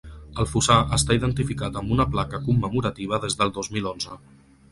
El fossar està identificat amb una placa commemorativa des del dos mil onze.